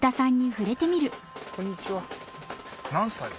こんにちは。